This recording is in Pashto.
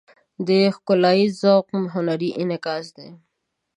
د ښکلاییز ذوق هنري انعکاس دی.